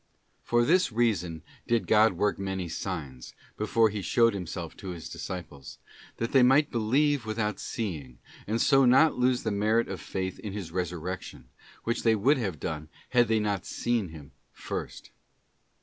For this reason did God work many signs, before He showed Himself to His disciples; that they might believe without seeing, and so not lose the merit of faith in His resurrection, which they would have done had they seen Him first.